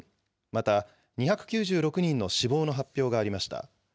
また２９６人の死亡の発表がありました。